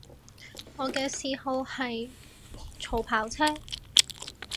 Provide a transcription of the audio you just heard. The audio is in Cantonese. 我嘅嗜好係儲跑車